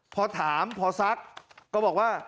พอถามพอซักก็บอกว่า